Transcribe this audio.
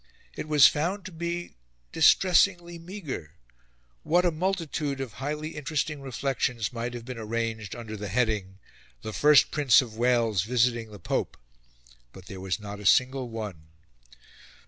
It was found to be distressingly meagre: what a multitude of highly interesting reflections might have been arranged under the heading: "The First Prince of Wales visiting the Pope!" But there was not a single one.